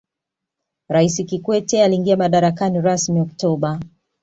raisi kikwete aliingia madarakani rasmi oktoba